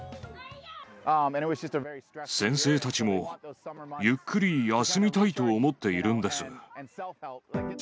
先生たちもゆっくり休みたいと思っているんです。